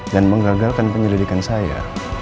dan mengagalkan penyelidikan saya